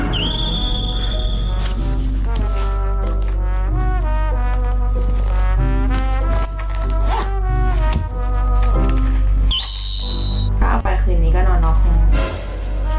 เอาไปคืนนี้ก็นอนนอกเลย